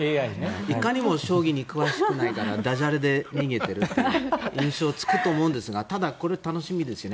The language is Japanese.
将棋に詳しくないからだじゃれで逃げているという印象がつくと思うんですがただ、これは楽しみですね。